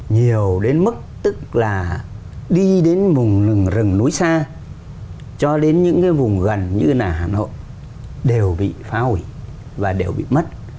nhiều đến mức tức là đi đến vùng rừng núi xa cho đến những cái vùng gần như là hà nội đều bị phá hủy và đều bị mất